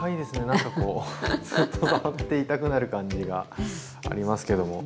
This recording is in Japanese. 何かこうずっと触っていたくなる感じがありますけども。